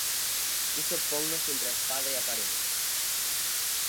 Iso ponnos entre a espada e a parede.